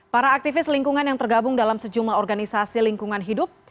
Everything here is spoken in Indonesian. para aktivis lingkungan yang tergabung dalam sejumlah organisasi lingkungan hidup